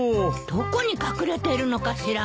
どこに隠れてるのかしら？